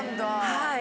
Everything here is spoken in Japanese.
はい。